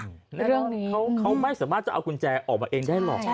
เขาไม่สามารถจะเอากุญแจออกมาเองได้หรอก